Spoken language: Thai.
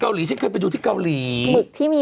เกาหลีบะไปที่เกาหลี